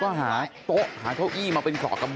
โอ้โหยังไม่หยุดนะครับ